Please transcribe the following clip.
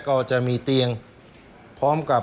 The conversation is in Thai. ก็ต้องชมเชยเขาล่ะครับเดี๋ยวลองไปดูห้องอื่นต่อนะครับ